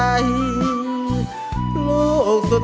ไม่ใช้ครับไม่ใช้ครับ